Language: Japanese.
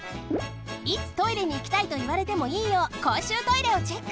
いつ「トイレにいきたい」といわれてもいいようこうしゅうトイレをチェック！